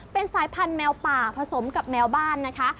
เป็นสายพันธุแมวป่าผสมกับแมวบ้านนะคะ